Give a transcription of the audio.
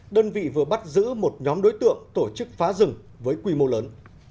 đơn vị vừa bắt giữ một nhóm đối tượng tổ chức phá rừng với quy mô lớn